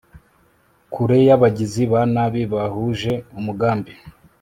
kure y'abagizi ba nabi bahuje umugambi